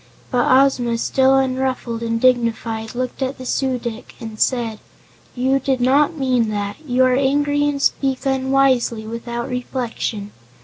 But Ozma, still unruffled and dignified, looked at the Su dic and said: "You did not mean that. You are angry and speak unwisely, without reflection.